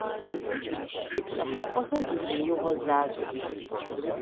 Си пщӀыхьэпӀэхэр гужьеигъуэ защӀэт.